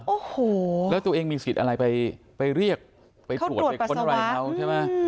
โอ้โหแล้วตัวเองมีสิทธิ์อะไรไปเรียกไปตรวจไปค้นอะไรเขาใช่ไหม